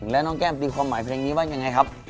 แล้วน้องแก้มตีความหมายเพลงนี้ว่ายังไงครับ